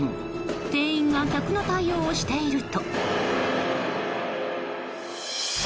店員が客の対応をしていると。